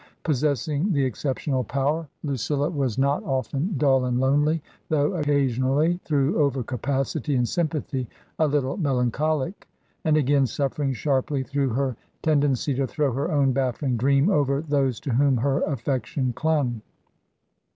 Possessing the exceptional power, Lucilla was not often dull and lonely, though occasion ally, through over capacity in sympathy, a little melan cholic, and again suffering sharply through her ten I 142 TRANSITION. dency to throw her own baffling dream over those to whom her aifection clung.